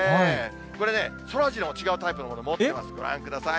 これね、そらジロー、違うタイプのもの持ってます、ご覧ください。